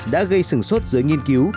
đã gây sừng sốt dưới nghiên cứu